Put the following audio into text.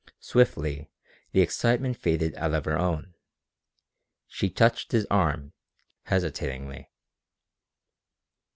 Swiftly the excitement faded out of her own. She touched his arm, hesitatingly.